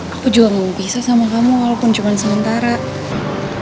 aku juga gak bisa sama kamu walaupun cuma sementara